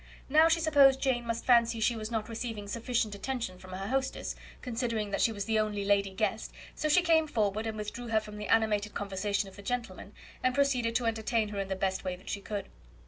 Now she supposed Jane must fancy she was not receiving sufficient attention from her hostess, considering that she was the only lady guest, so she came forward, and withdrew her from the animated conversation of the gentlemen, and proceeded to entertain her in the best way that she could.